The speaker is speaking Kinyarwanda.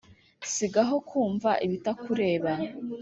sigaho kumva ibatukureba